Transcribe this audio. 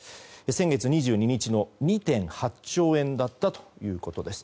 先月２２日の２．８兆円だったということです。